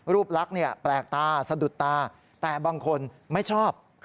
รูปลักษณ์แปลกตาสะดุดตาแต่บางคนไม่ชอบ